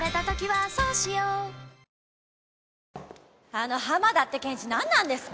あの浜田って検事なんなんですか！